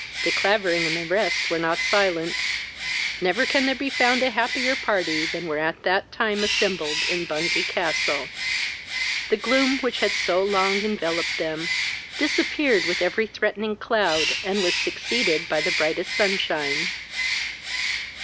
De Clavering and the rest were not silent. Never can there be found a happier party than were at that time assembled in Bungay castle. The gloom, which had so long enveloped them, disappeared with every threatening cloud, and was succeeded by the brightest sunshine.